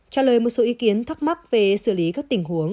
trả lời một số ý kiến thắc mắc về xử lý các tình huống